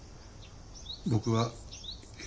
僕は。